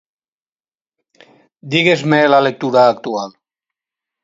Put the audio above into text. Digues-me la lectura actual.